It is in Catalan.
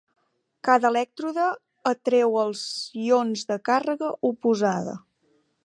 Cada elèctrode atreu els ions de càrrega oposada.